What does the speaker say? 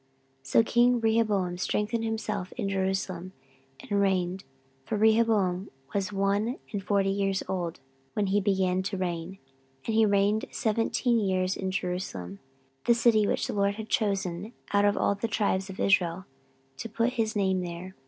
14:012:013 So king Rehoboam strengthened himself in Jerusalem, and reigned: for Rehoboam was one and forty years old when he began to reign, and he reigned seventeen years in Jerusalem, the city which the LORD had chosen out of all the tribes of Israel, to put his name there.